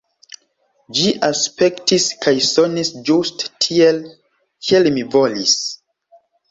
Ĝi aspektis kaj sonis ĝuste tiel, kiel mi volis.